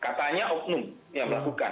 katanya oknum yang melakukan